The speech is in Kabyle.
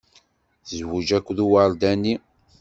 Tezwej akked uwerdani.